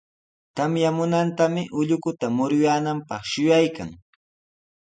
Tamyamunantami ullukuta murunanpaq shuyaykan.